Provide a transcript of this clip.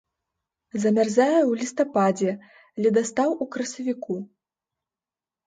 Замярзае ў лістападзе, ледастаў у красавіку.